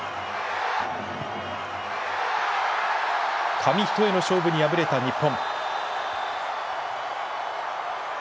紙一重の勝負に敗れた日本。